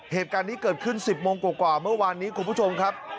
เหตุการณ์นี้เกิดขึ้น๑๐โมงกว่าเมื่อวานนี้คุณผู้ชมครับ